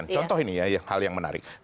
contoh ini ya hal yang menarik